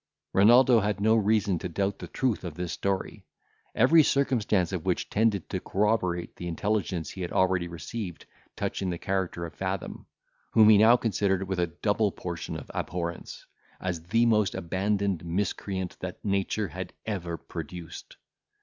Renaldo had no reason to doubt the truth of this story, every circumstance of which tended to corroborate the intelligence he had already received touching the character of Fathom, whom he now considered with a double portion of abhorrence, as the most abandoned miscreant that nature had ever produced.